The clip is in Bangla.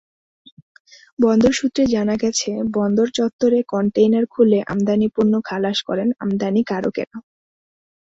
বন্দর সূত্রে জানা গেছে, বন্দর চত্বরে কনটেইনার খুলে আমদানি পণ্য খালাস করেন আমদানিকারকেরা।